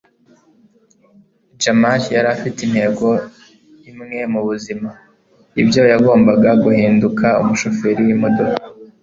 jamali yari afite intego imwe mubuzima. ibyo byagombaga guhinduka umushoferi wimodoka